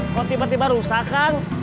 kok tiba tiba rusak kang